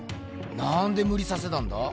なんでむりさせたんだ？